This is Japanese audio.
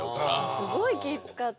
すごい気使って。